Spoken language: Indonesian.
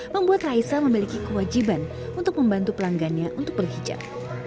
membuat raisa memiliki kewajiban untuk membantu pelanggannya untuk berhijab